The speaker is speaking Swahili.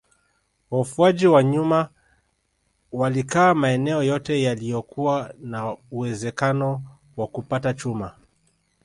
Wafuaji wa vyuma walikaa maeneo yote yaliyokuwa na uwezekano wa kupata chuma